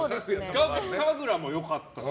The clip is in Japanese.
神楽も良かったし。